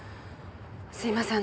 すいません